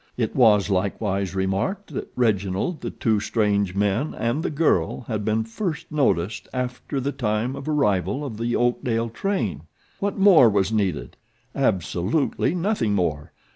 It was likewise remarked that Reginald, the two strange men and the GIRL had been first noticed after the time of arrival of the Oakdale train! What more was needed? Absolutely nothing more.